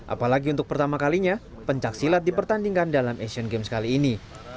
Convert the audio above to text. apalagi untuk pertama kalinya pencaksilat dipertandingkan dalam asian games kali ini